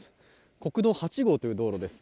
国道８号という道路です。